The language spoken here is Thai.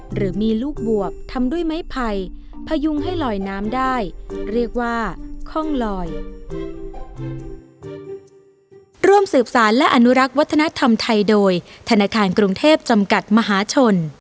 หรือมีลูกบวบทำด้วยไม้ไผ่พยุงให้ลอยน้ำได้เรียกว่าคล่องลอย